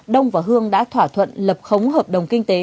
đông và hương đã thỏa thuận lập khống hợp đồng kinh tế